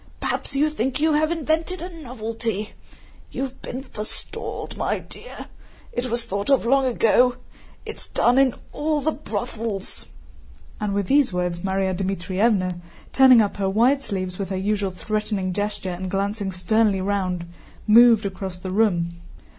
Perhaps you think you have invented a novelty? You have been forestalled, my dear! It was thought of long ago. It is done in all the brothels," and with these words Márya Dmítrievna, turning up her wide sleeves with her usual threatening gesture and glancing sternly round, moved across the room.